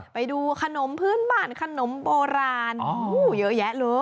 ไปดูขนมพื้นบ้านขนมโบราณเยอะแยะเลย